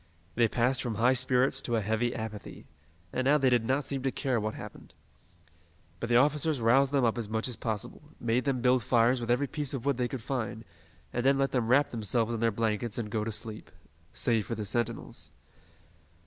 They passed from high spirits to a heavy apathy, and now they did not seem to care what happened. But the officers roused them up as much as possible, made them build fires with every piece of wood they could find, and then let them wrap themselves in their blankets and go to sleep save for the sentinels.